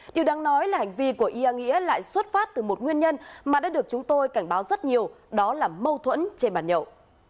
điều đáng nói là hành vi của ia nghĩa lại xuất phát từ một nguyên nhân mà đã được chúng tôi cảnh báo rất nhiều đó là mâu thuẫn trên bàn nhậu